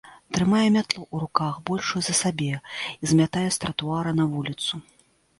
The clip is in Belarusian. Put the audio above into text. Трымае мятлу ў руках большую за сябе і змятае з тратуара на вуліцы.